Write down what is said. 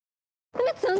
梅津さん！？